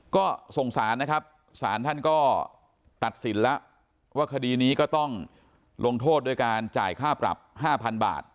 ก็ส่งสารนะครับสารท่านก็ตัดสินแล้วว่าคดีนี้ก็ต้องลงโทษด้วยการจ่ายค่าปรับ๕๐๐๐บาท